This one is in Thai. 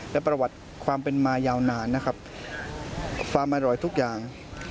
และประวัติความเป็นมายาวนานนะครับความอร่อยทุกอย่าง